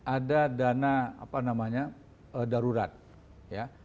ada dana apa namanya darurat ya